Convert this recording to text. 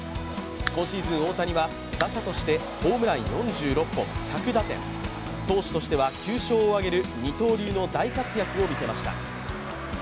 今シーズン、大谷は打者としてホームラン４６本１００打点、投手としては９勝を挙げる二刀流の大活躍を見せました。